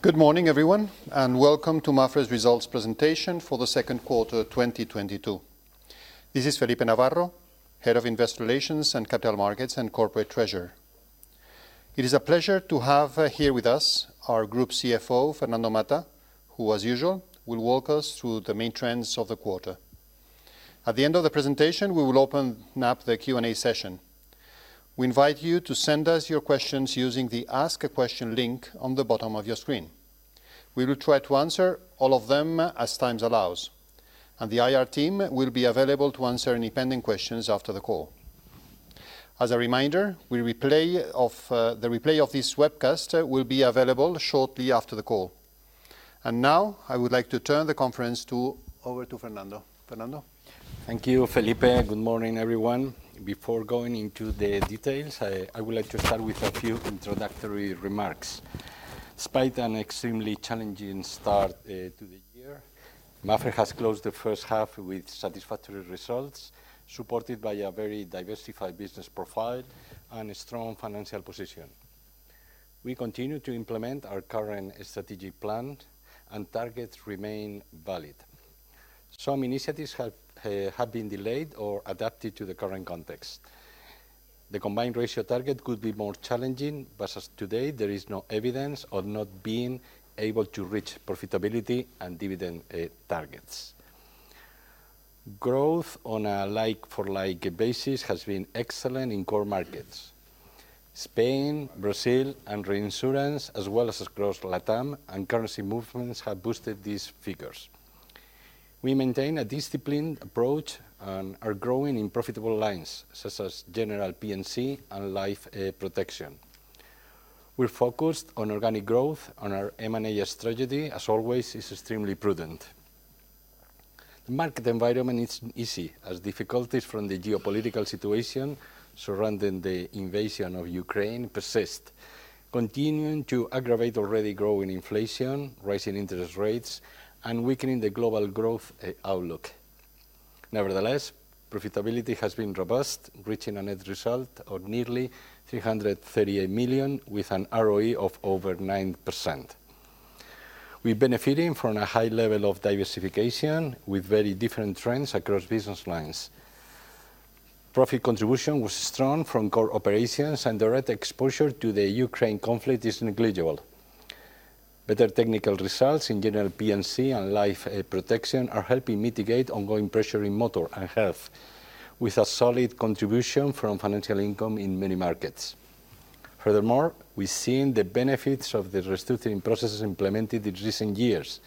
Good morning, everyone, and welcome to Mapfre's results presentation for the second quarter, 2022. This is Felipe Navarro, Head of Investor Relations and Capital Markets and Corporate Treasurer. It is a pleasure to have here with us our Group CFO, Fernando Mata, who as usual, will walk us through the main trends of the quarter. At the end of the presentation, we will open up the Q&A session. We invite you to send us your questions using the Ask a Question link on the bottom of your screen. We will try to answer all of them as time allows, and the IR team will be available to answer any pending questions after the call. As a reminder, the replay of this webcast will be available shortly after the call. Now, I would like to turn the conference over to Fernando. Fernando? Thank you, Felipe. Good morning, everyone. Before going into the details, I would like to start with a few introductory remarks. Despite an extremely challenging start to the year, Mapfre has closed the first half with satisfactory results, supported by a very diversified business profile and a strong financial position. We continue to implement our current strategic plan and targets remain valid. Some initiatives have been delayed or adapted to the current context. The combined ratio target could be more challenging, but as of today, there is no evidence of not being able to reach profitability and dividend targets. Growth on a like-for-like basis has been excellent in core markets. Spain, Brazil, and reinsurance, as well as across Latam and currency movements have boosted these figures. We maintain a disciplined approach and are growing in profitable lines such as general P&C and life protection. We're focused on organic growth and our M&A strategy, as always, is extremely prudent. The market environment isn't easy as difficulties from the geopolitical situation surrounding the invasion of Ukraine persist, continuing to aggravate already growing inflation, rising interest rates, and weakening the global growth outlook. Nevertheless, profitability has been robust, reaching a net result of nearly 338 million with an ROE of over 9%. We're benefiting from a high level of diversification with very different trends across business lines. Profit contribution was strong from core operations and direct exposure to the Ukraine conflict is negligible. Better technical results in general P&C and life protection are helping mitigate ongoing pressure in motor and health with a solid contribution from financial income in many markets. Furthermore, we've seen the benefits of the restructuring processes implemented in recent years,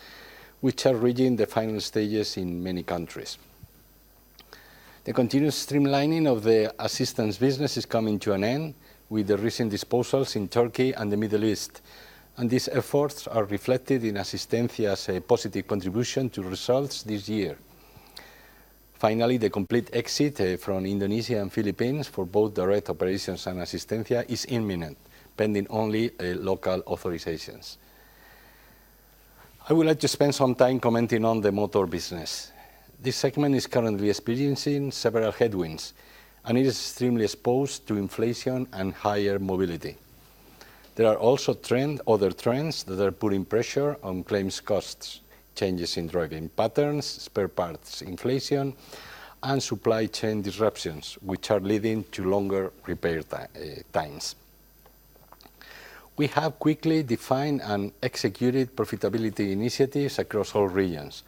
which are reaching the final stages in many countries. The continuous streamlining of the assistance business is coming to an end with the recent disposals in Turkey and the Middle East. These efforts are reflected in Asistencia's positive contribution to results this year. Finally, the complete exit from Indonesia and Philippines for both direct operations and Asistencia is imminent, pending only local authorizations. I would like to spend some time commenting on the motor business. This segment is currently experiencing several headwinds, and it is extremely exposed to inflation and higher mobility. There are also other trends that are putting pressure on claims costs, changes in driving patterns, spare parts inflation, and supply chain disruptions, which are leading to longer repair times. We have quickly defined and executed profitability initiatives across all regions,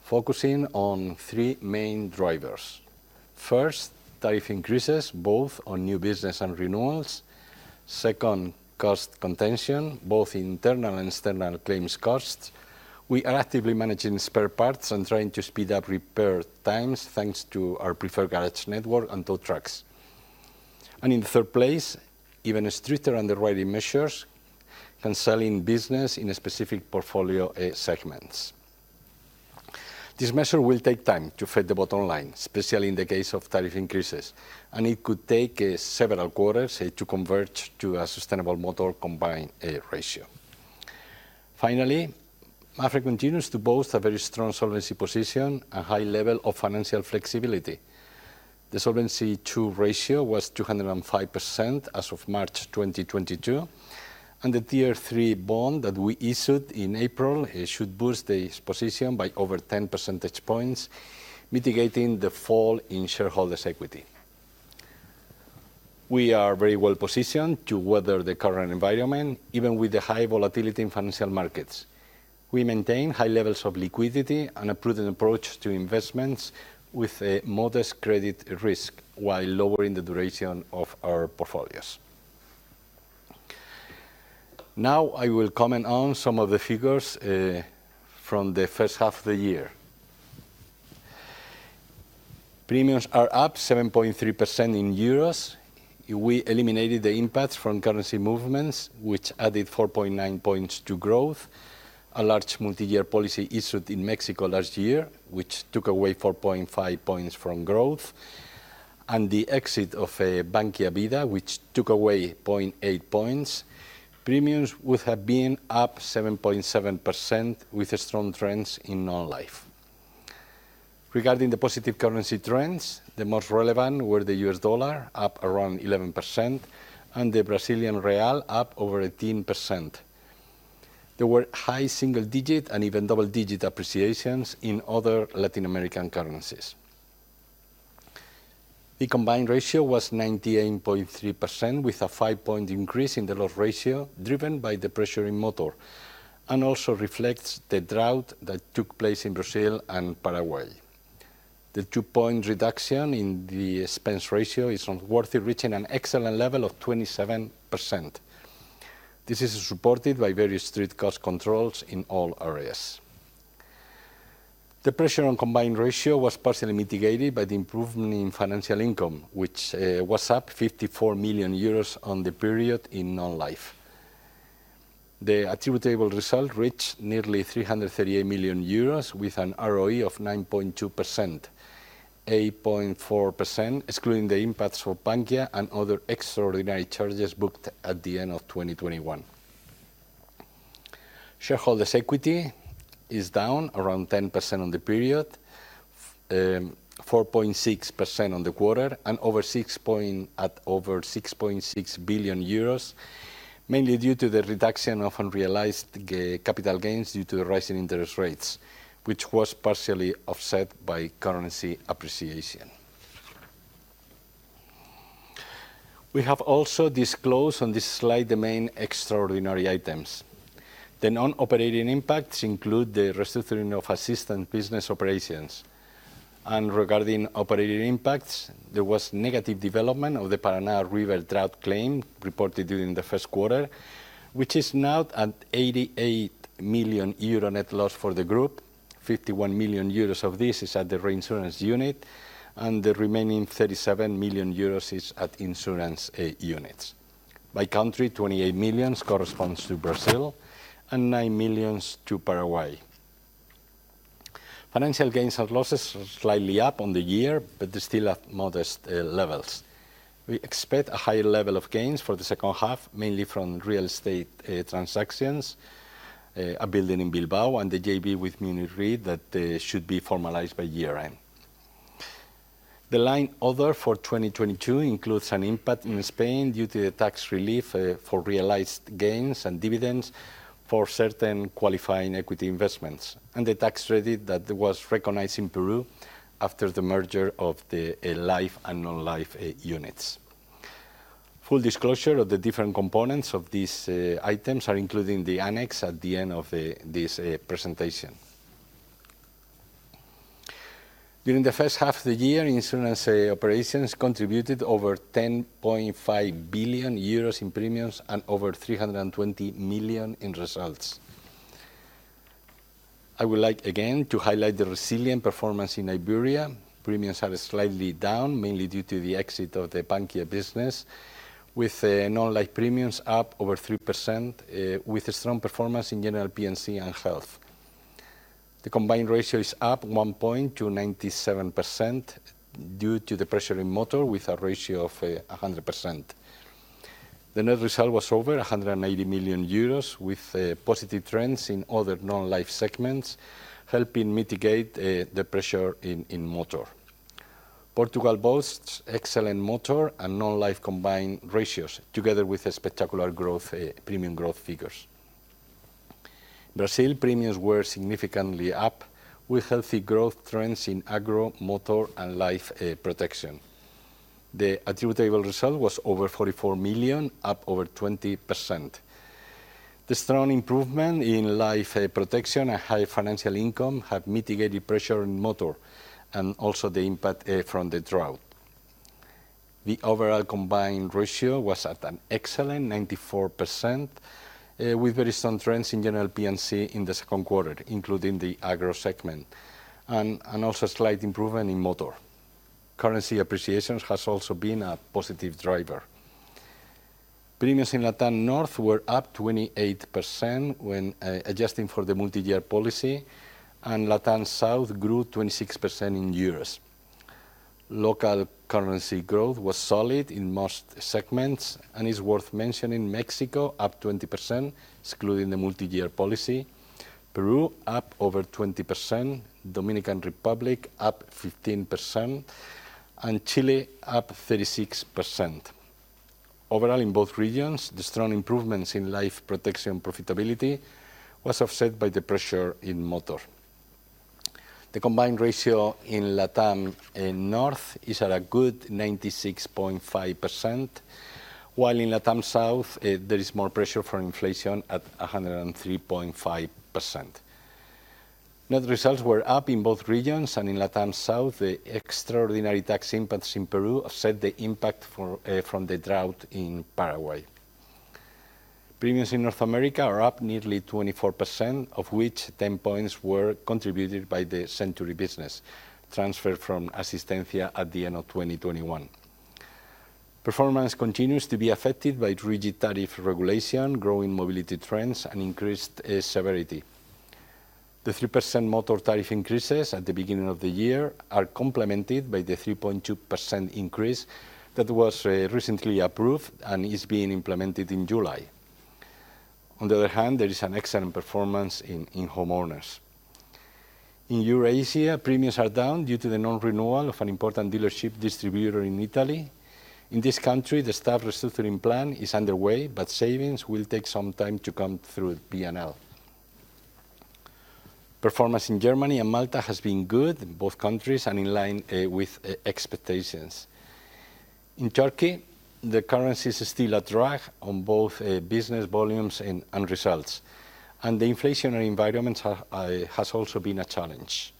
focusing on three main drivers. First, tariff increases, both on new business and renewals. Second, cost contention, both internal and external claims costs. We are actively managing spare parts and trying to speed up repair times, thanks to our preferred garage network and tow trucks. In third place, even stricter underwriting measures, canceling business in a specific portfolio, segments. These measures will take time to affect the bottom line, especially in the case of tariff increases, and it could take several quarters to converge to a sustainable model combined ratio. Finally, Mapfre continues to boast a very strong solvency position and high level of financial flexibility. The Solvency II ratio was 205% as of March 2022, and the Tier 3 bond that we issued in April, it should boost the position by over 10 percentage points, mitigating the fall in shareholders' equity. We are very well positioned to weather the current environment, even with the high volatility in financial markets. We maintain high levels of liquidity and a prudent approach to investments with a modest credit risk while lowering the duration of our portfolios. Now, I will comment on some of the figures from the first half of the year. Premiums are up 7.3% in euros. If we eliminated the impact from currency movements, which added 4.9 points to growth, a large multi-year policy issued in Mexico last year, which took away 4.5 points from growth, and the exit of Bankia Vida, which took away 0.8 points, premiums would have been up 7.7% with strong trends in non-life. Regarding the positive currency trends, the most relevant were the US dollar, up around 11%, and the Brazilian real, up over 18%. There were high single digit and even double-digit appreciations in other Latin American currencies. The combined ratio was 98.3% with a 5-point increase in the loss ratio driven by the pressure in motor, and also reflects the drought that took place in Brazil and Paraguay. The 2-point reduction in the expense ratio is worth it, reaching an excellent level of 27%. This is supported by very strict cost controls in all areas. The pressure on combined ratio was partially mitigated by the improvement in financial income, which was up 54 million euros on the period in non-life. The attributable result reached nearly 338 million euros with an ROE of 9.2%, 8.4% excluding the impacts for Bankia and other extraordinary charges booked at the end of 2021. Shareholders' equity is down around 10% on the period, 4.6% on the quarter, and at over 6.6 billion euros, mainly due to the reduction of unrealized capital gains due to the rise in interest rates, which was partially offset by currency appreciation. We have also disclosed on this slide the main extraordinary items. The non-operating impacts include the restructuring of Asistencia business operations. Regarding operating impacts, there was negative development of the Paraná River drought claim reported during the first quarter, which is now at 88 million euro net loss for the group. 51 million euros of this is at the reinsurance unit, and the remaining 37 million euros is at insurance units. By country, 28 million corresponds to Brazil and 9 million to Paraguay. Financial gains and losses slightly up on the year, but they're still at modest levels. We expect a higher level of gains for the second half, mainly from real estate transactions, a building in Bilbao and the JV with Munich Re that should be formalized by year-end. The other line for 2022 includes an impact in Spain due to the tax relief for realized gains and dividends for certain qualifying equity investments and the tax credit that was recognized in Peru after the merger of the life and non-life units. Full disclosure of the different components of these items are included in the annex at the end of this presentation. During the first half of the year, insurance operations contributed over 10.5 billion euros in premiums and over 320 million in results. I would like again to highlight the resilient performance in Iberia. Premiums are slightly down, mainly due to the exit of the Bankia business, with non-life premiums up over 3%, with a strong performance in general P&C and health. The combined ratio is up 1 point to 97% due to the pressure in motor with a ratio of 100%. The net result was over 180 million euros with positive trends in other non-life segments, helping mitigate the pressure in motor. Portugal boasts excellent motor and non-life combined ratios together with a spectacular growth, premium growth figures. Brazil premiums were significantly up with healthy growth trends in agro, motor, and life protection. The attributable result was over 44 million, up over 20%. The strong improvement in life protection and high financial income have mitigated pressure in motor and also the impact from the drought. The overall combined ratio was at an excellent 94%, with very strong trends in general P&C in the second quarter, including the agro segment and also slight improvement in motor. Currency appreciation has also been a positive driver. Premiums in Latam North were up 28% when adjusting for the multi-year policy, and Latam South grew 26% in euros. Local currency growth was solid in most segments, and it's worth mentioning Mexico up 20%, excluding the multi-year policy, Peru up over 20%, Dominican Republic up 15%, and Chile up 36%. Overall, in both regions, the strong improvements in life protection profitability was offset by the pressure in motor. The combined ratio in Latam North is at a good 96.5%, while in Latam South there is more pressure from inflation at 103.5%. Net results were up in both regions and in Latam South, the extraordinary tax impacts in Peru offset the impact from the drought in Paraguay. Premiums in North America are up nearly 24%, of which 10 points were contributed by the Century business transferred from Asistencia at the end of 2021. Performance continues to be affected by rigid tariff regulation, growing mobility trends, and increased severity. The 3% motor tariff increases at the beginning of the year are complemented by the 3.2% increase that was recently approved and is being implemented in July. On the other hand, there is an excellent performance in homeowners. In Eurasia, premiums are down due to the non-renewal of an important dealership distributor in Italy. In this country, the staff restructuring plan is underway, but savings will take some time to come through P&L. Performance in Germany and Malta has been good in both countries and in line with expectations. In Turkey, the currency is still a drag on both business volumes and results, and the inflationary environment has also been a challenge.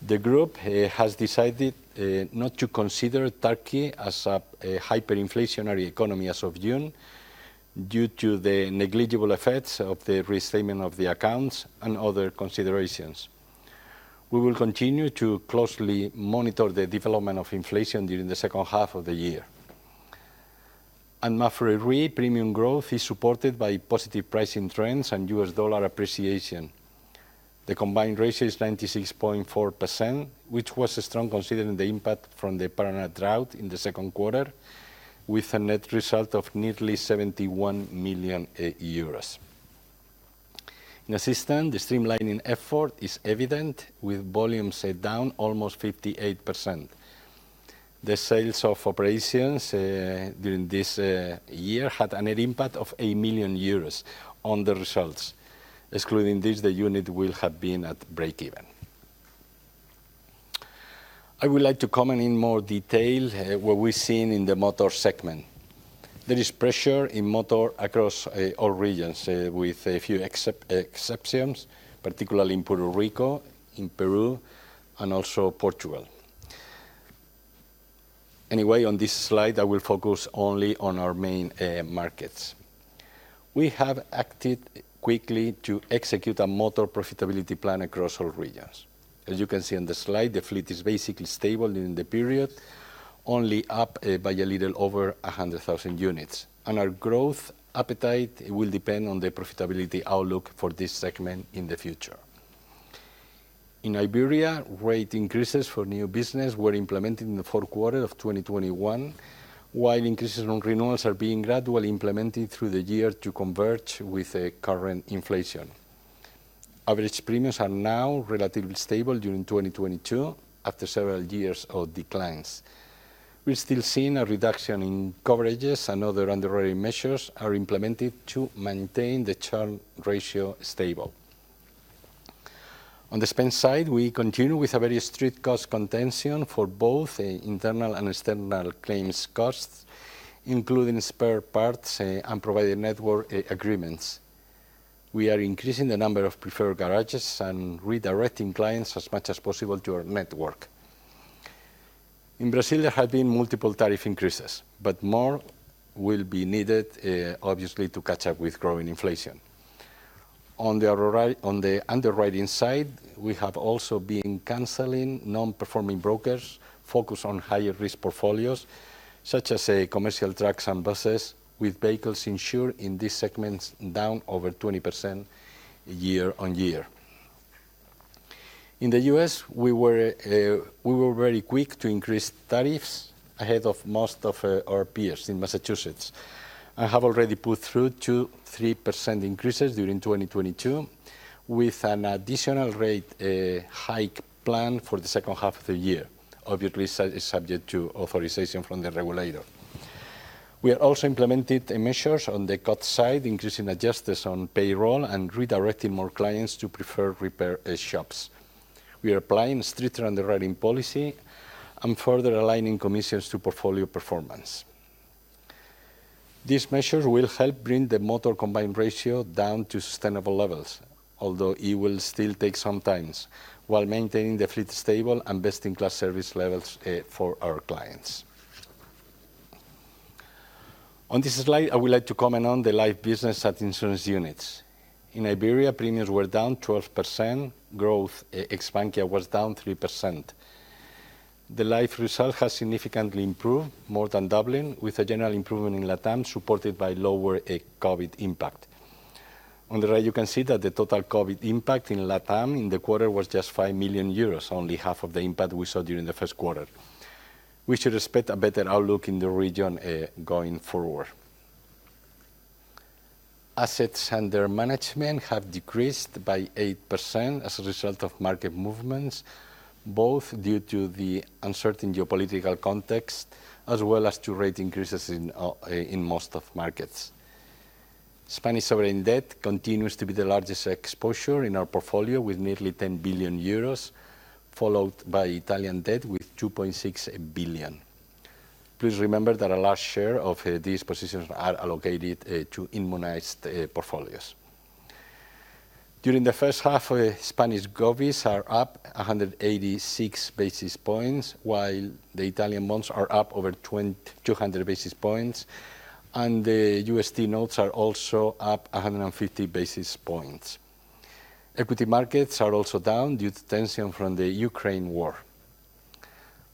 The Group has decided not to consider Turkey as a hyperinflationary economy as of June due to the negligible effects of the restatement of the accounts and other considerations. We will continue to closely monitor the development of inflation during the second half of the year. Mapfre Re premium growth is supported by positive pricing trends and U.S. dollar appreciation. The combined ratio is 96.4%, which was strong considering the impact from the Paraná drought in the second quarter, with a net result of nearly 71 million euros. In Asistencia, the streamlining effort is evident with volumes down almost 58%. The sales of operations during this year had a net impact of 1 million euros on the results. Excluding this, the unit will have been at breakeven. I would like to comment in more detail what we're seeing in the Motor segment. There is pressure in Motor across all regions with a few exceptions, particularly in Puerto Rico, in Peru, and also Portugal. Anyway, on this slide, I will focus only on our main markets. We have acted quickly to execute a Motor profitability plan across all regions. As you can see on the slide, the fleet is basically stable during the period, only up by a little over 100,000 units. Our growth appetite will depend on the profitability outlook for this segment in the future. In Iberia, rate increases for new business were implemented in the fourth quarter of 2021, while increases on renewals are being gradually implemented through the year to converge with current inflation. Average premiums are now relatively stable during 2022 after several years of declines. We're still seeing a reduction in coverages and other underwriting measures are implemented to maintain the churn ratio stable. On the spend side, we continue with a very strict cost containment for both internal and external claims costs, including spare parts and provider network agreements. We are increasing the number of preferred garages and redirecting clients as much as possible to our network. In Brazil, there have been multiple tariff increases, but more will be needed, obviously to catch up with growing inflation. On the underwriting side, we have also been canceling non-performing brokers focused on higher risk portfolios, such as commercial trucks and buses, with vehicles insured in these segments down over 20% year-on-year. In the U.S., we were very quick to increase tariffs ahead of most of our peers in Massachusetts and have already put through 2%-3% increases during 2022 with an additional rate hike planned for the second half of the year. Obviously, subject to authorization from the regulator. We have also implemented measures on the cost side, increasing adjusters on payroll and redirecting more clients to preferred repair shops. We are applying stricter underwriting policy and further aligning commissions to portfolio performance. These measures will help bring the Motor combined ratio down to sustainable levels, although it will still take some time, while maintaining the fleet stable and best-in-class service levels for our clients. On this slide, I would like to comment on the Life business at insurance units. In Iberia, premiums were down 12%. Growth, ex Bankia, was down 3%. The Life result has significantly improved, more than doubling, with a general improvement in Latam supported by lower COVID impact. On the right, you can see that the total COVID impact in Latam in the quarter was just 5 million euros, only half of the impact we saw during the first quarter. We should expect a better outlook in the region, going forward. Assets under management have decreased by 8% as a result of market movements, both due to the uncertain geopolitical context as well as to rate increases in most of markets. Spanish sovereign debt continues to be the largest exposure in our portfolio with nearly 10 billion euros, followed by Italian debt with 2.6 billion. Please remember that a large share of these positions are allocated to immunized portfolios. During the first half, Spanish govies are up 186 basis points, while the Italian bonds are up over 200 basis points, and the USD notes are also up 150 basis points. Equity markets are also down due to tension from the Ukraine war.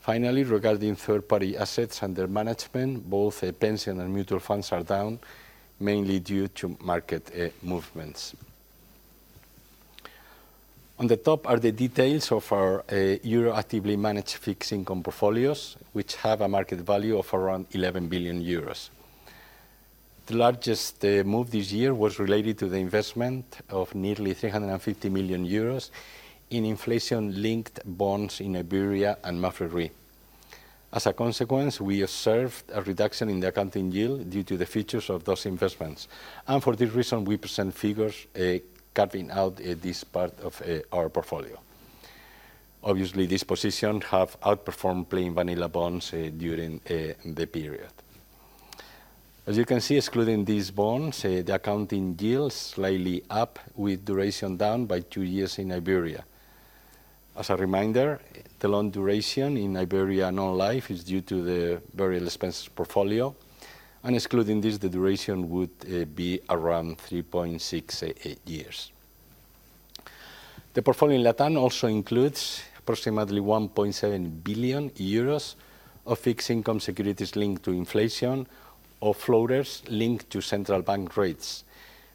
Finally, regarding third-party assets under management, both pension and mutual funds are down, mainly due to market movements. On the top are the details of our euro actively managed fixed income portfolios, which have a market value of around 11 billion euros. The largest move this year was related to the investment of nearly 350 million euros in inflation-linked bonds in Iberia and Mapfre Re. As a consequence, we observed a reduction in the accounting yield due to the features of those investments. For this reason, we present figures carving out this part of our portfolio. Obviously, this position have outperformed plain vanilla bonds during the period. As you can see, excluding these bonds, the accounting yield slightly up with duration down by two years in Iberia. As a reminder, the long duration in Iberia non-life is due to the burial expenses portfolio. Excluding this, the duration would be around 3.6 years. The portfolio in LatAm also includes approximately 1.7 billion euros of fixed income securities linked to inflation or floaters linked to central bank rates,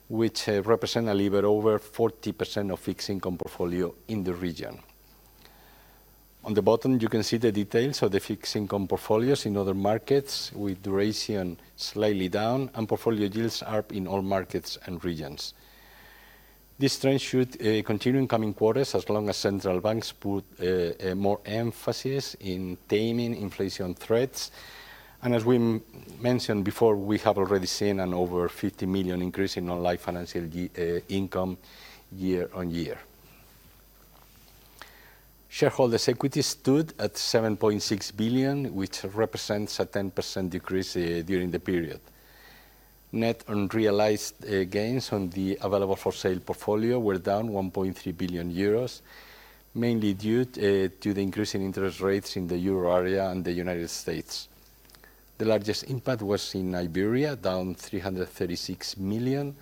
which represent a little over 40% of fixed income portfolio in the region. On the bottom, you can see the details of the fixed income portfolios in other markets, with duration slightly down and portfolio yields up in all markets and regions. This trend should continue in coming quarters as long as central banks put more emphasis in taming inflation threats. As we mentioned before, we have already seen an over 50 million increase in non-life financial income year on year. Shareholders' equity stood at 7.6 billion, which represents a 10% decrease during the period. Net unrealized gains on the available for sale portfolio were down 1.3 billion euros, mainly due to the increase in interest rates in the Euro area and the United States. The largest impact was in Iberia, down 336 million,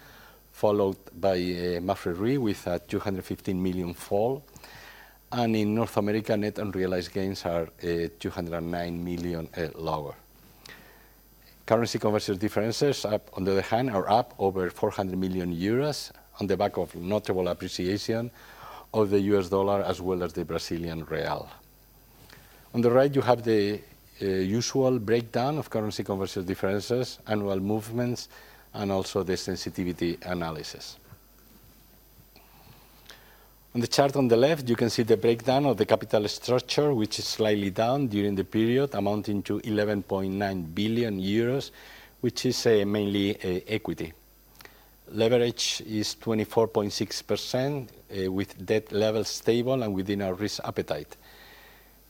followed by Mapfre Re with a 215 million fall. In North America, net unrealized gains are 209 million lower. Currency conversion differences, on the other hand, are up over 400 million euros on the back of notable appreciation of the US dollar as well as the Brazilian real. On the right, you have the usual breakdown of currency conversion differences, annual movements, and also the sensitivity analysis. On the chart on the left, you can see the breakdown of the capital structure, which is slightly down during the period, amounting to 11.9 billion euros, which is mainly equity. Leverage is 24.6%, with debt levels stable and within our risk appetite.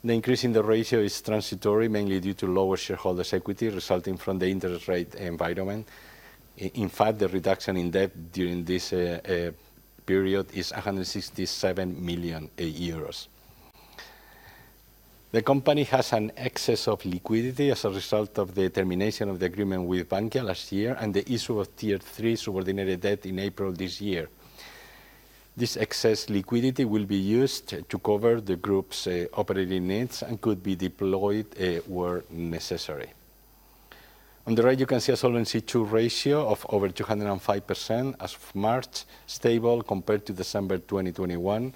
The increase in the ratio is transitory, mainly due to lower shareholders' equity resulting from the interest rate environment. In fact, the reduction in debt during this period is 167 million euros. The company has an excess of liquidity as a result of the termination of the agreement with Bankia last year and the issue of Tier 3 subordinated debt in April of this year. This excess liquidity will be used to cover the group's operating needs and could be deployed where necessary. On the right, you can see a Solvency II ratio of over 205% as of March, stable compared to December 2021,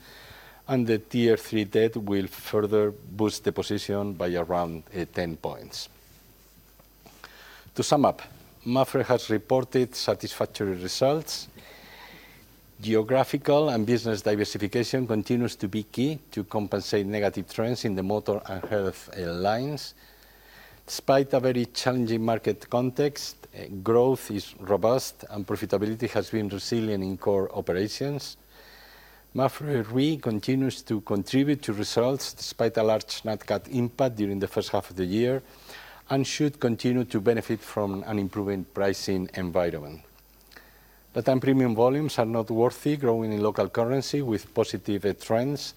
and the Tier 3 debt will further boost the position by around 10 points. To sum up, Mapfre has reported satisfactory results. Geographical and business diversification continues to be key to compensate negative trends in the motor and health lines. Despite a very challenging market context, growth is robust and profitability has been resilient in core operations. Mapfre Re continues to contribute to results despite a large net cut impact during the first half of the year and should continue to benefit from an improving pricing environment. Latam premium volumes are noteworthy, growing in local currency with positive trends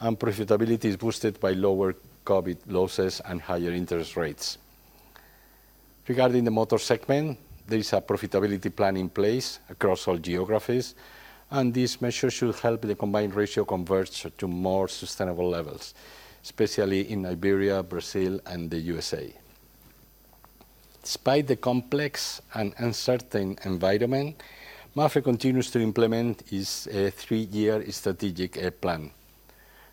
and profitability is boosted by lower COVID losses and higher interest rates. Regarding the Motor segment, there is a profitability plan in place across all geographies, and this measure should help the combined ratio converge to more sustainable levels, especially in Iberia, Brazil, and the USA. Despite the complex and uncertain environment, Mapfre continues to implement its three-year strategic plan.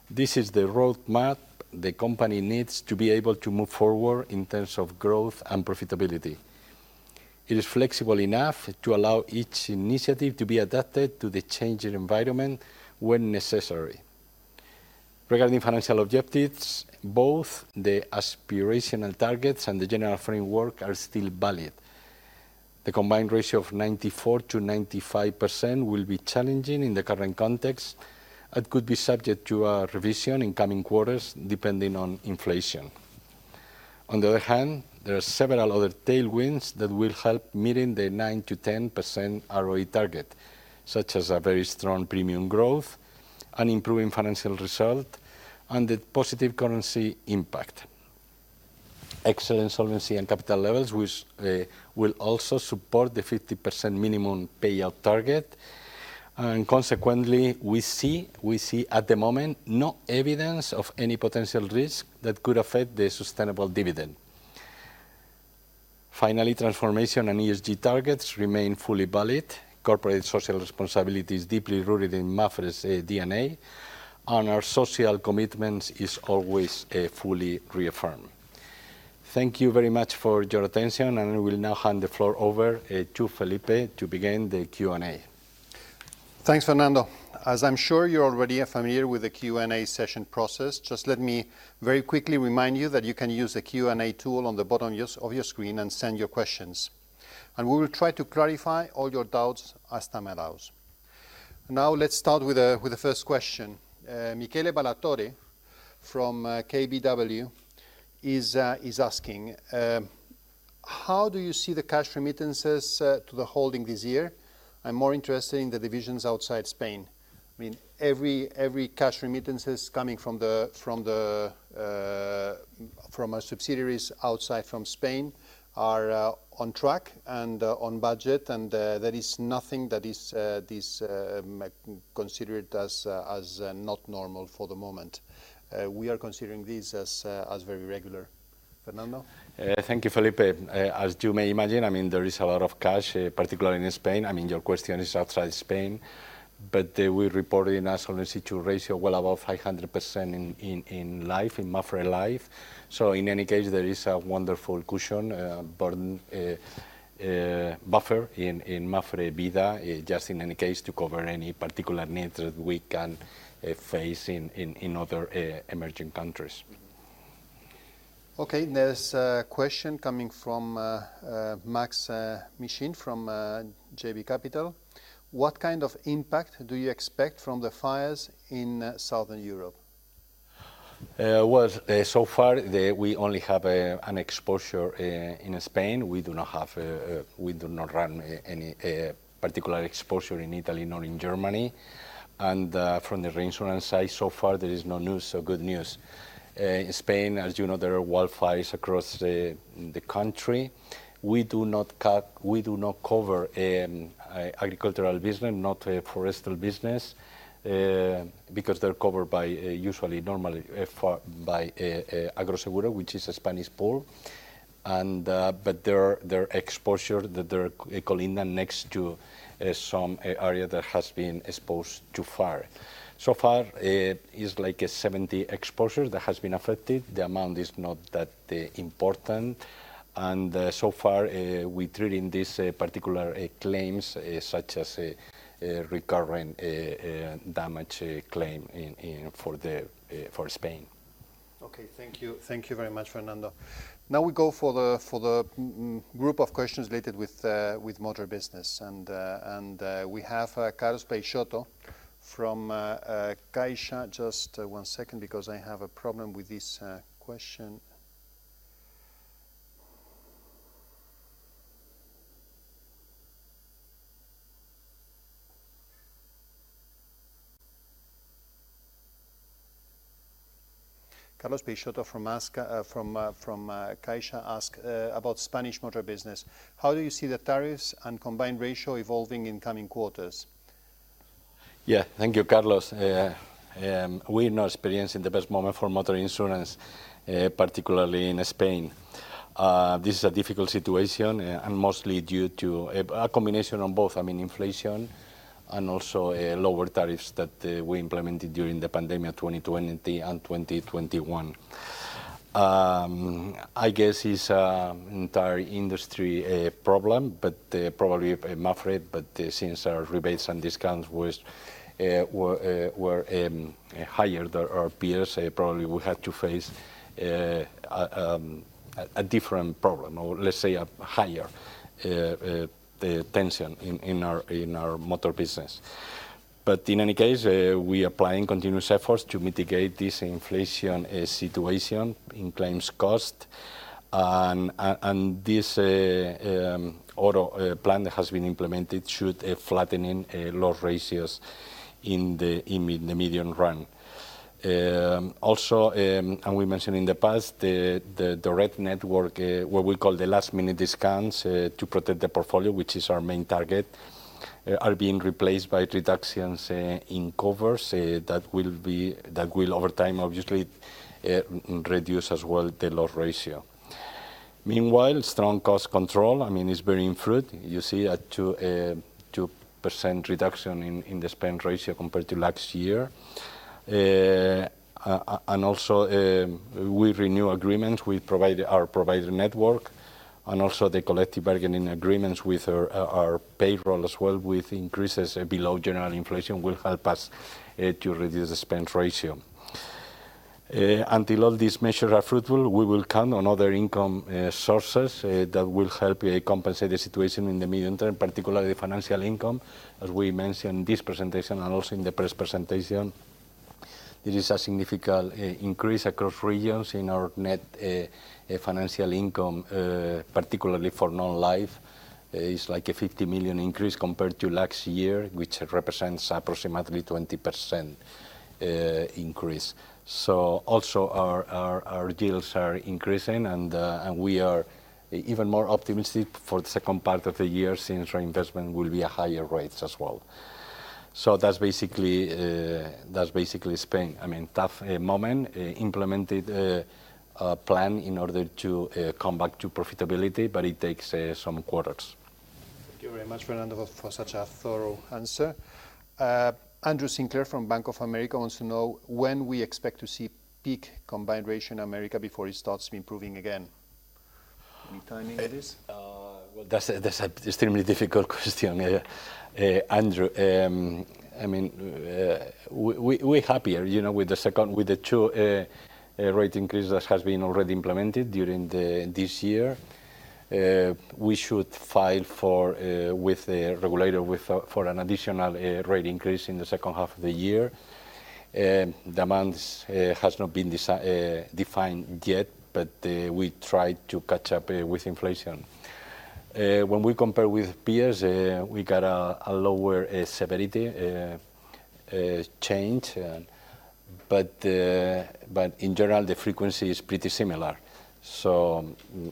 This is the roadmap the company needs to be able to move forward in terms of growth and profitability. It is flexible enough to allow each initiative to be adapted to the changing environment when necessary. Regarding financial objectives, both the aspirational targets and the general framework are still valid. The combined ratio of 94%-95% will be challenging in the current context and could be subject to a revision in coming quarters, depending on inflation. On the other hand, there are several other tailwinds that will help meeting the 9%-10% ROE target, such as a very strong premium growth, an improving financial result, and the positive currency impact. Excellent solvency and capital levels, which will also support the 50% minimum payout target. Consequently, we see at the moment no evidence of any potential risk that could affect the sustainable dividend. Finally, transformation and ESG targets remain fully valid. Corporate social responsibility is deeply rooted in Mapfre's DNA, and our social commitments is always fully reaffirmed. Thank you very much for your attention, and I will now hand the floor over to Felipe to begin the Q&A. Thanks, Fernando. As I'm sure you already are familiar with the Q&A session process, just let me very quickly remind you that you can use the Q&A tool on the bottom of your screen and send your questions. We will try to clarify all your doubts as time allows. Now, let's start with the first question. Michele Ballatore from KBW is asking: How do you see the cash remittances to the holding this year? I'm more interested in the divisions outside Spain. I mean, every cash remittances coming from our subsidiaries outside from Spain are on track and on budget, and there is nothing that is considered as not normal for the moment. We are considering this as very regular. Fernando? Thank you, Felipe. As you may imagine, I mean, there is a lot of cash, particularly in Spain. I mean, your question is outside Spain, but we reported an asset-to-liability ratio well above 500% in Life, in Mapfre Vida. In any case, there is a wonderful cushion, but buffer in Mapfre Vida, just in any case to cover any particular needs that we can face in other emerging countries. Okay. There's a question coming from Maksym Mishyn from JB Capital Markets. What kind of impact do you expect from the fires in Southern Europe? So far, we only have an exposure in Spain. We do not run any particular exposure in Italy, nor in Germany. From the reinsurance side, so far there is no news, so good news. In Spain, as you know, there are wildfires across the country. We do not cover agricultural business, not forestry business, because they're covered by, usually, normally, by Agroseguro, which is a Spanish pool. But their exposure that are adjacent to some area that has been exposed to fire. So far, it is like 70 exposures that has been affected. The amount is not that important. So far, we're treating this particular claim such as a recurring damage claim for Spain. Okay. Thank you. Thank you very much, Fernando. Now we go for the group of questions related with motor business. We have Carlos Peixoto from CaixaBank. Just one second because I have a problem with this question. Carlos Peixoto from CaixaBank asks about Spanish motor business. How do you see the tariffs and combined ratio evolving in coming quarters? Yeah. Thank you, Carlos. We're not experiencing the best moment for motor insurance, particularly in Spain. This is a difficult situation, and mostly due to a combination on both, I mean, inflation and also, lower tariffs that we implemented during the pandemic 2020 and 2021. I guess it's entire industry problem, but probably Mapfre, but since our rebates and discounts were higher than our peers, probably we had to face a different problem or let's say a higher tension in our motor business. In any case, we're applying continuous efforts to mitigate this inflation situation in claims cost. This auto plan that has been implemented should flatten loss ratios in the medium run. Also, we mentioned in the past, the direct network, what we call the last-minute discounts to protect the portfolio, which is our main target, are being replaced by reductions in covers that will over time, obviously, reduce as well the loss ratio. Meanwhile, strong cost control, I mean, is bearing fruit. You see a 2% reduction in the expense ratio compared to last year. Also, we renew agreements with our provider network, and also the collective bargaining agreements with our payroll as well, with increases below general inflation will help us to reduce the expense ratio. Until all these measures are fruitful, we will count on other income sources that will help compensate the situation in the medium term, particularly financial income. As we mentioned, this presentation and also in the press presentation, this is a significant increase across regions in our net financial income, particularly for non-life. It's like a 50 million increase compared to last year, which represents approximately 20% increase. Also our yields are increasing and we are even more optimistic for the second part of the year since our investment will be at higher rates as well. That's basically Spain. I mean, tough moment. Implemented a plan in order to come back to profitability, but it takes some quarters. Thank you very much, Fernando, for such a thorough answer. Andrew Sinclair from Bank of America wants to know when we expect to see peak combined ratio in America before it starts improving again. Any timing on this? That's an extremely difficult question, Andrew. I mean, we're happier, you know, with the two rate increases has been already implemented during this year. We should file with the regulator for an additional rate increase in the second half of the year. Demands has not been defined yet, but we try to catch up with inflation. When we compare with peers, we got a lower severity change. But in general, the frequency is pretty similar.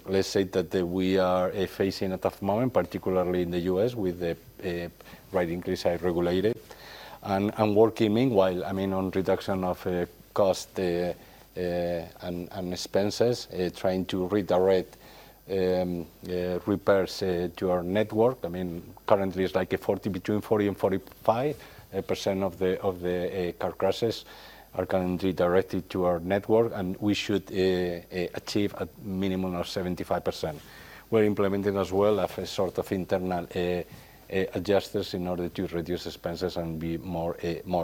Let's say that we are facing a tough moment, particularly in the U.S. with a regulated rate increase. Working meanwhile, I mean, on reduction of cost and expenses, trying to redirect repairs to our network. I mean, currently it's like 40, between 40 and 45% of the car crashes are currently directed to our network, and we should achieve a minimum of 75%. We're implementing as well a sort of internal adjusters in order to reduce expenses and be more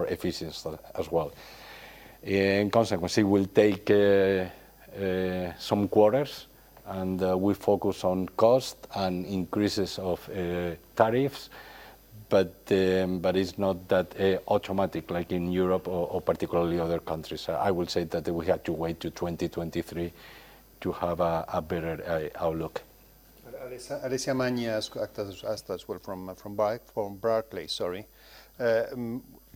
efficient as well. In consequence, it will take some quarters, and we focus on cost and increases of tariffs. It's not that automatic like in Europe or particularly other countries. I would say that we have to wait till 2023 to have a better outlook. Alessia Magni asks as well from Barclays, sorry.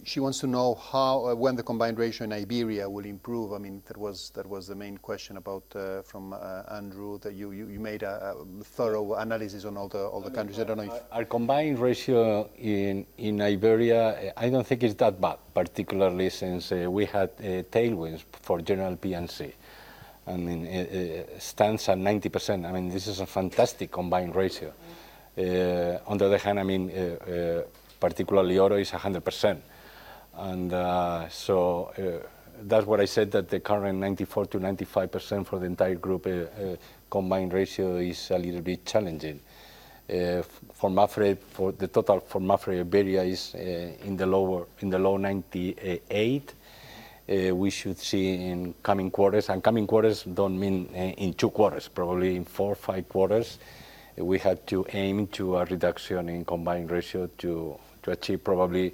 She wants to know how or when the combined ratio in Iberia will improve. I mean, that was the main question about from Andrew, that you made a thorough analysis on all the countries. I don't know if- Our combined ratio in Iberia, I don't think it's that bad, particularly since we had tailwinds for general P&C. I mean, it stands at 90%. I mean, this is a fantastic combined ratio. On the other hand, I mean, particularly auto is 100%. That's what I said, that the current 94%-95% for the entire group combined ratio is a little bit challenging. For Mapfre, the total for Mapfre Iberia is in the low 98%. We should see in coming quarters, and coming quarters don't mean in two quarters, probably in four or five quarters, we have to aim to a reduction in combined ratio to achieve probably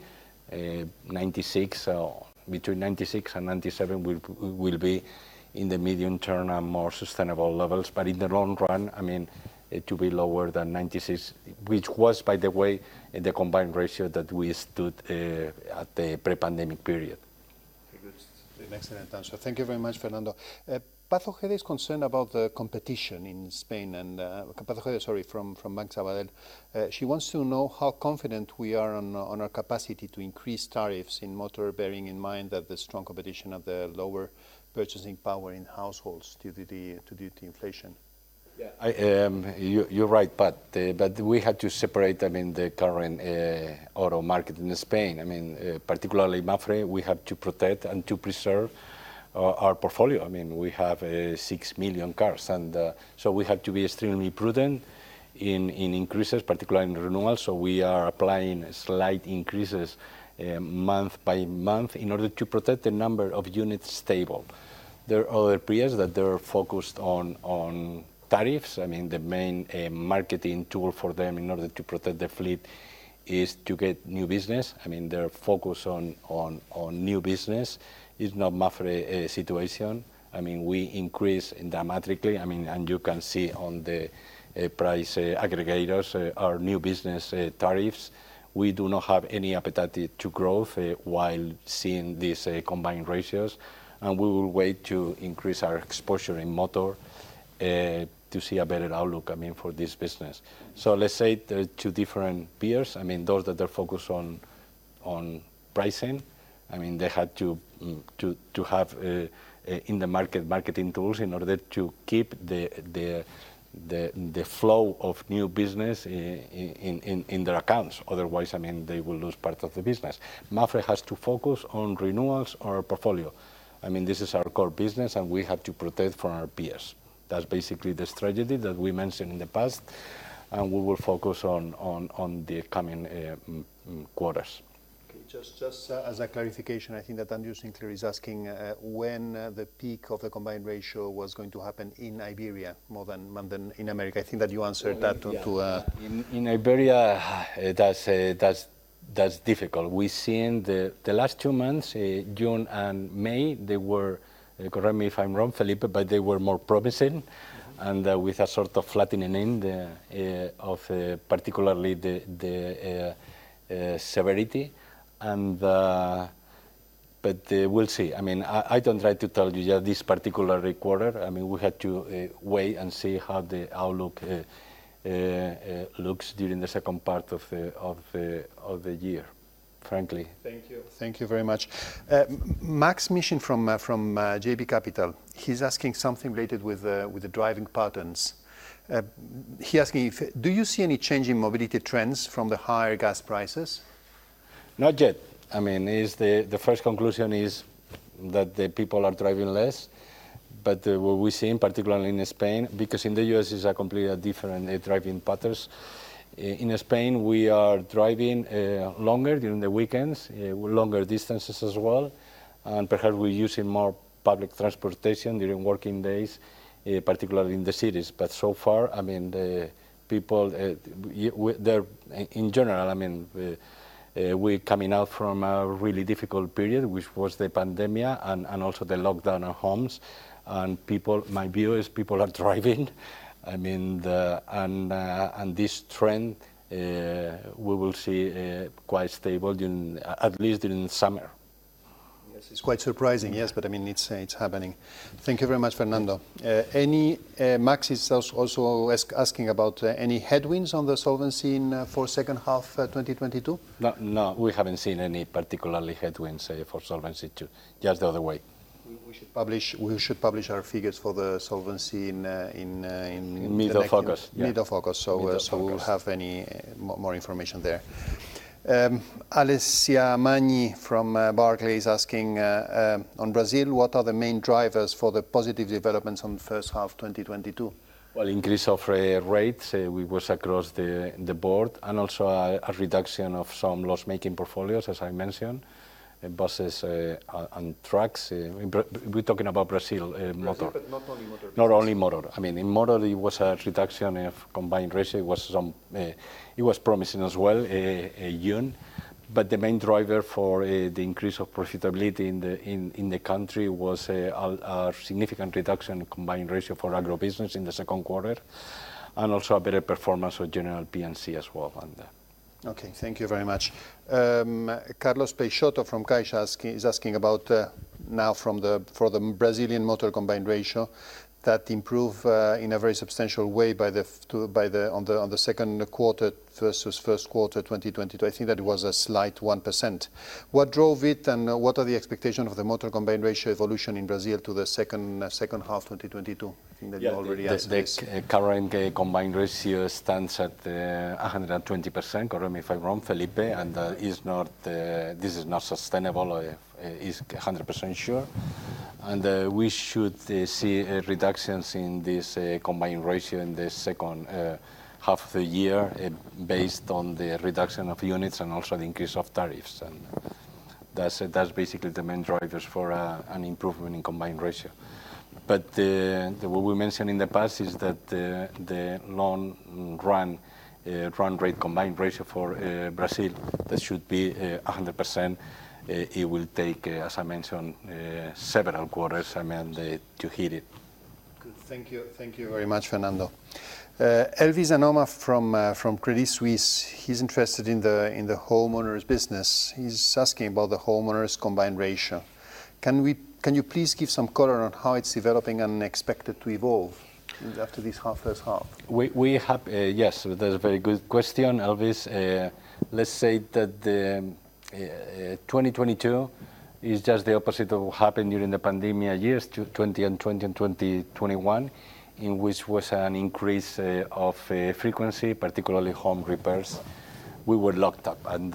96% or between 96% and 97%, we will be in the medium term and more sustainable levels. In the long run, I mean, it to be lower than 96%, which was, by the way, the combined ratio that we stood at the pre-pandemic period. That's an excellent answer. Thank you very much, Fernando. Paz Ojeda is concerned about the competition in Spain and Paz Ojeda, sorry, from Banco Sabadell. She wants to know how confident we are on our capacity to increase tariffs in motor, bearing in mind that the strong competition and the lower purchasing power in households due to the inflation. Yeah. I, you're right, Paz. We have to separate, I mean, the current auto market in Spain. I mean, particularly Mapfre, we have to protect and to preserve our portfolio. I mean, we have 6 million cars, and so we have to be extremely prudent in increases, particularly in renewals. We are applying slight increases month by month in order to protect the number of units stable. There are other peers that they're focused on tariffs. I mean, the main marketing tool for them in order to protect their fleet is to get new business. I mean, their focus on new business is not Mapfre situation. I mean, we increase dramatically. I mean, and you can see on the price aggregators our new business tariffs. We do not have any appetite for growth while seeing these combined ratios. We will wait to increase our exposure in motor to see a better outlook, I mean, for this business. Let's say there are two different peers. I mean, those that are focused on pricing. I mean, they have to have in-market marketing tools in order to keep the flow of new business in their accounts. Otherwise, I mean, they will lose part of the business. Mapfre has to focus on renewals, our portfolio. I mean, this is our core business, and we have to protect from our peers. That's basically the strategy that we mentioned in the past, and we will focus on the coming quarters. Okay. Just as a clarification, I think that Andrew Sinclair is asking when the peak of the combined ratio was going to happen in Iberia more than in America. I think that you answered that to- In Iberia, that's difficult. We've seen the last two months, June and May. They were, correct me if I'm wrong, Felipe, but they were more promising, and with a sort of flattening of particularly the severity. We'll see. I mean, I don't like to tell you this particular quarter. I mean, we'll have to wait and see how the outlook looks during the second part of the year, frankly. Thank you. Thank you very much. Maksym Mishyn from JB Capital, he's asking something related with the driving patterns. He's asking if do you see any change in mobility trends from the higher gas prices? Not yet. I mean, the first conclusion is that the people are driving less. What we're seeing, particularly in Spain, because in the U.S. it's a completely different driving patterns. In Spain, we are driving longer during the weekends, longer distances as well, and perhaps we're using more public transportation during working days, particularly in the cities. So far, I mean, in general, I mean, we're coming out from a really difficult period, which was the pandemic, and also the lockdown at homes. People, my view is people are driving. I mean, this trend we will see quite stable during at least the summer. Yes. It's quite surprising, yes, but I mean, it's happening. Thank you very much, Fernando. Any, Maksym is also asking about any headwinds on the solvency in for second half 2022? No, we haven't seen any particular headwinds for solvency. Just the other way. We should publish our figures for the Solvency. Mid of August. Yeah. Mid of August. Mid of August. We'll have any more information there. Alessia Magni from Barclays asking on Brazil, what are the main drivers for the positive developments in the first half 2022? Well, increase of rates, it was across the board, and also a reduction of some loss-making portfolios, as I mentioned, in buses on trucks. We're talking about Brazil motor. Brazil, but not only Motor. Not only Motor. I mean, in Motor it was a reduction of combined ratio. It was promising as well, a unit. But the main driver for the increase of profitability in the country was a significant reduction in combined ratio for Agribusiness in the second quarter, and also a better performance with general P&C as well on there. Thank you very much. Carlos Peixoto from CaixaBank is asking about, for the Brazilian Motor combined ratio that improve in a very substantial way on the second quarter versus first quarter 2022. I think that it was a slight 1%. What drove it, and what are the expectation of the Motor combined ratio evolution in Brazil to the second half 2022? I think that you already answered this. Yeah. The current combined ratio stands at 120%, correct me if I'm wrong, Felipe. Yes. This is not sustainable, nor is it 100% sure. We should see reductions in this combined ratio in the second half of the year, based on the reduction of units and also the increase of tariffs. That's basically the main drivers for an improvement in combined ratio. What we mentioned in the past is that the long-run rate combined ratio for Brazil that should be 100%. It will take, as I mentioned, several quarters, I mean, to hit it. Good. Thank you. Thank you very much, Fernando. Elvis Anoma-Amoabeng from Credit Suisse, he's interested in the homeowners business. He's asking about the homeowners combined ratio. Can you please give some color on how it's developing and expected to evolve after this first half? Yes, that's a very good question, Elvis. Let's say that 2022 is just the opposite of what happened during the pandemic years, 2020 and 2021, in which was an increase of frequency, particularly home repairs. We were locked up, and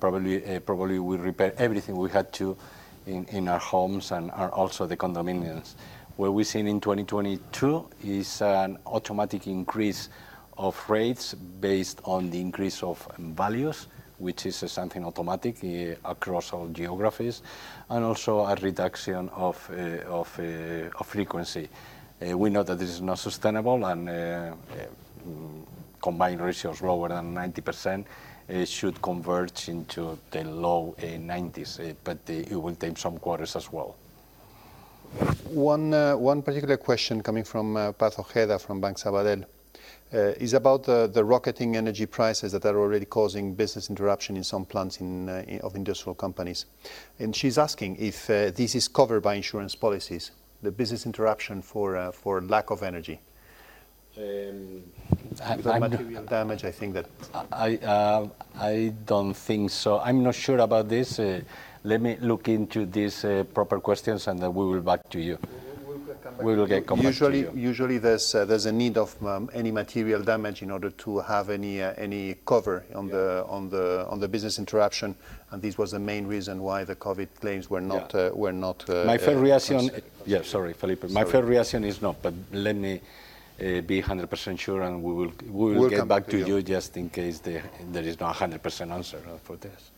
probably we repaired everything we had to in our homes and also the condominiums. What we're seeing in 2022 is an automatic increase of rates based on the increase of values, which is something automatic across all geographies, and also a reduction of frequency. We know that this is not sustainable, and combined ratio is lower than 90%, should converge into the low 90s, but it will take some quarters as well. One particular question coming from Paz Ojeda from Banco Sabadell is about the rocketing energy prices that are already causing business interruption in some plants of industrial companies. She's asking if this is covered by insurance policies, the business interruption for lack of energy. Um, I- For material damage, I think that. I don't think so. I'm not sure about this. Let me look into these proper questions, and then we will get back to you. We'll come back to you. We will get back to you. Usually there's a need of any material damage in order to have any cover. Yeah on the business interruption, and this was the main reason why the COVID claims were not Yeah Were not considered. My first reaction. Yeah, sorry, Felipe. Sorry. My first reaction is no, but let me be 100% sure, and we will get back to you. We'll come back to you. Just in case there is no 100% answer for this.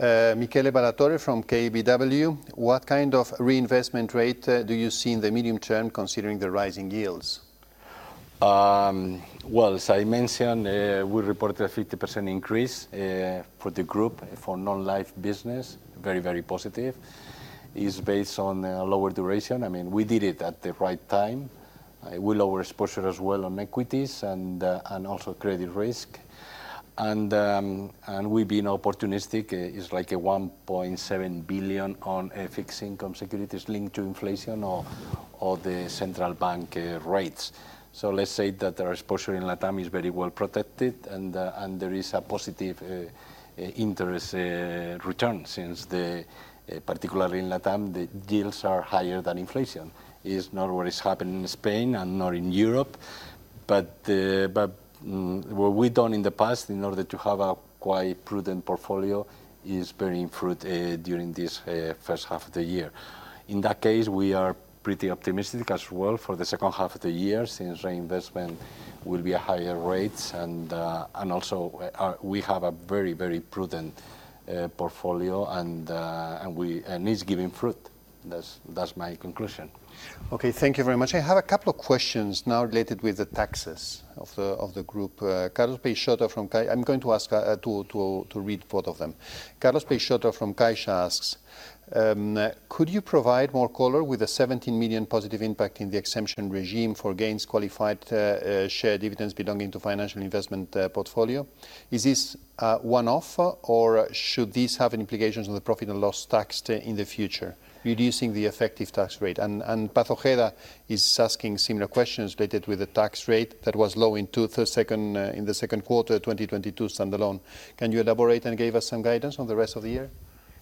Michele Ballatore from KBW. What kind of reinvestment rate do you see in the medium term considering the rising yields? Well, as I mentioned, we reported a 50% increase for the group for non-life business. Very positive. It's based on a lower duration. I mean, we did it at the right time. We lower exposure as well on equities and also credit risk. We've been opportunistic. It's like 1.7 billion on fixed income securities linked to inflation or the central bank rates. So let's say that our exposure in Latam is very well protected and there is a positive interest return since, particularly in Latam, the deals are higher than inflation. It's not what is happening in Spain and not in Europe, but what we've done in the past in order to have a quite prudent portfolio is bearing fruit during this first half of the year. In that case, we are pretty optimistic as well for the second half of the year since reinvestment will be at higher rates and also we have a very prudent portfolio and it's bearing fruit. That's my conclusion. Okay, thank you very much. I have a couple of questions now related with the taxes of the group. Carlos Peixoto from CaixaBank. I'm going to read both of them. Carlos Peixoto from CaixaBank asks, "Could you provide more color with the 17 million positive impact in the exemption regime for gains qualified share dividends belonging to financial investment portfolio? Is this one-off or should this have any implications on the profit and loss tax in the future, reducing the effective tax rate?" Paz Ojeda is asking similar questions related with the tax rate that was low in the second quarter of 2022 standalone. Can you elaborate and give us some guidance on the rest of the year?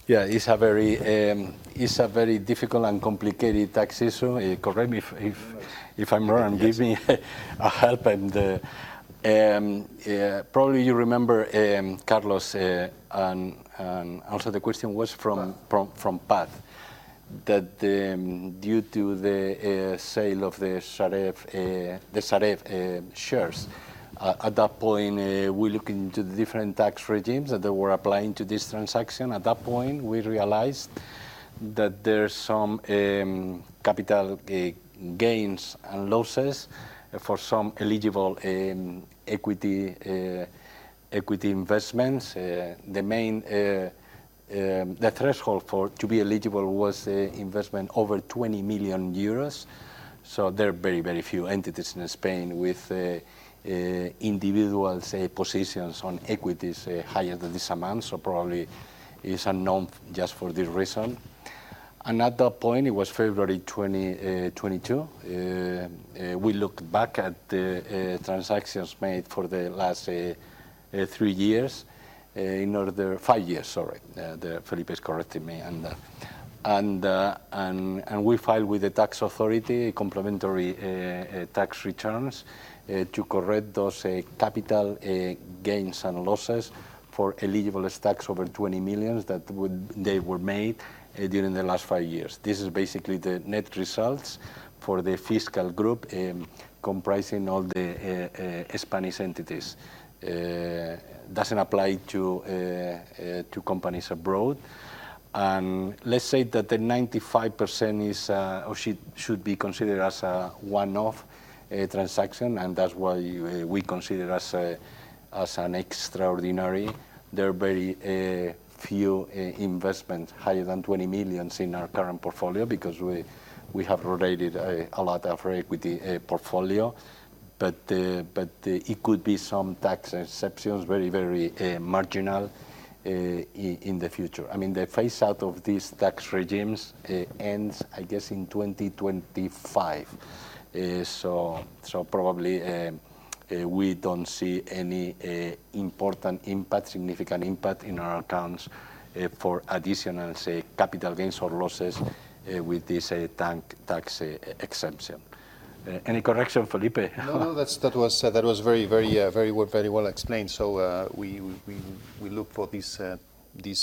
Yeah. It's a very difficult and complicated tax issue. Correct me if I'm wrong. Give me a help and probably you remember, Carlos, and also the question was from- Pat From Paz, due to the sale of the Cattolica shares, at that point, we looked into the different tax regimes that they were applying to this transaction. At that point, we realized that there's some capital gains and losses for some eligible equity investments. The main threshold to be eligible was a investment over 20 million euros. So there are very, very few entities in Spain with individual, say, positions on equities higher than this amount, so probably is unknown just for this reason. At that point, it was February 20, 2022, we looked back at the transactions made for the last five years, sorry. Felipe is correcting me. We filed with the tax authority complementary tax returns to correct those capital gains and losses for eligible stocks over 20 million that they were made during the last five years. This is basically the net results for the fiscal group comprising all the Spanish entities. Doesn't apply to companies abroad. Let's say that the 95% is or should be considered as a one-off transaction, and that's why we consider as an extraordinary. There are very few investments higher than 20 million in our current portfolio because we have rotated a lot of our equity portfolio. But it could be some tax exceptions, very marginal in the future. I mean, the phase out of these tax regimes ends I guess in 2025. Probably, we don't see any important impact, significant impact in our accounts for additional, say, capital gains or losses with this tax exception. Any correction, Felipe? No, no, that's, that was very well explained. We look for this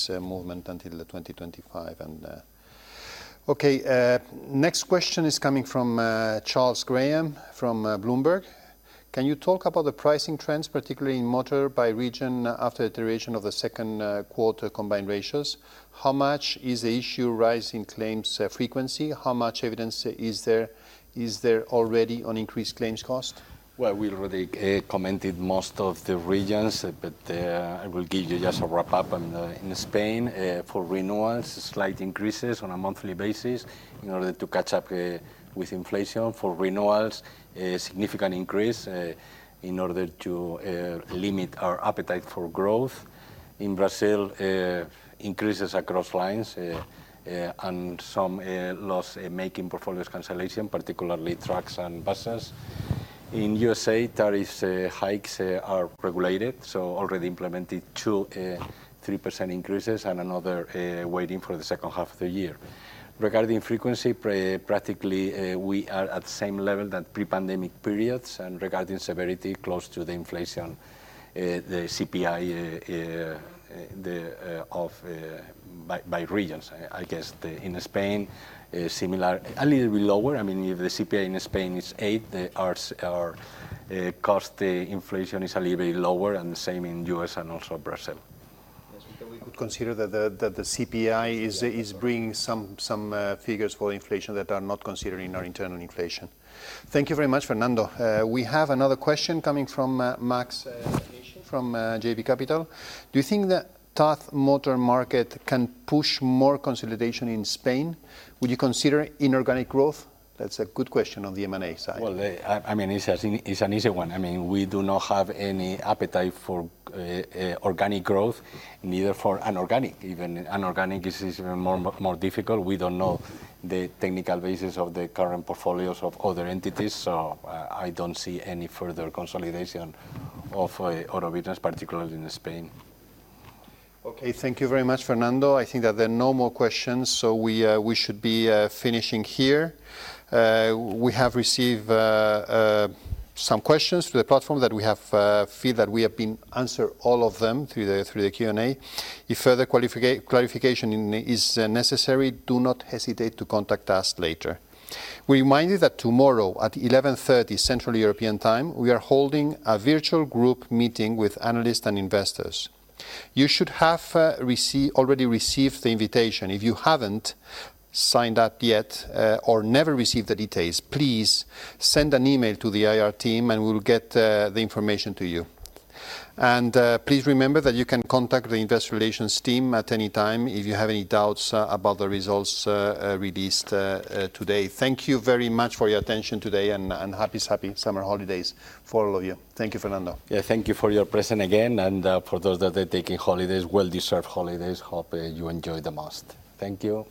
movement until 2025. Next question is coming from Charles Graham from Bloomberg. Can you talk about the pricing trends, particularly in motor by region after deterioration of the second quarter combined ratios? How much of the issue is the rise in claims frequency? How much evidence is there already of increased claims cost? Well, we already commented most of the regions, but I will give you just a wrap-up. In Spain, for renewals, slight increases on a monthly basis in order to catch up with inflation. For renewals, a significant increase in order to limit our appetite for growth. In Brazil, increases across lines and some loss-making portfolios consolidation, particularly trucks and buses. In USA, tariff hikes are regulated, so already implemented 2-3% increases and another waiting for the second half of the year. Regarding frequency, practically, we are at the same level than pre-pandemic periods and regarding severity, close to the inflation, the CPI by regions. I guess in Spain similar, a little bit lower. I mean, if the CPI in Spain is 8%, our cost inflation is a little bit lower, and the same in U.S. and also Brazil. Yes, we could consider that the CPI is bringing some figures for inflation that are not considered in our internal inflation. Thank you very much, Fernando. We have another question coming from Maksym Mishyn from JB Capital. Do you think the tough motor market can push more consolidation in Spain? Would you consider inorganic growth? That's a good question on the M&A side. Well, I mean, it's an easy one. I mean, we do not have any appetite for organic growth, neither for inorganic. Even inorganic is more difficult. We don't know the technical basis of the current portfolios of other entities, so I don't see any further consolidation of auto business, particularly in Spain. Okay. Thank you very much, Fernando. I think that there are no more questions, so we should be finishing here. We have received some questions through the platform that we feel we have answered all of them through the Q&A. If further clarification is necessary, do not hesitate to contact us later. We remind you that tomorrow at 11:30 Central European Time, we are holding a virtual group meeting with analysts and investors. You should have already received the invitation. If you haven't signed up yet or never received the details, please send an email to the IR team and we will get the information to you. Please remember that you can contact the investor relations team at any time if you have any doubts about the results released today. Thank you very much for your attention today, and happy summer holidays for all of you. Thank you, Fernando. Yeah, thank you for your presence again, and for those that are taking holidays, well-deserved holidays, hope you enjoy the most. Thank you.